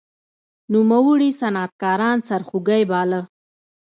نوموړي صنعتکاران سرخوږی باله.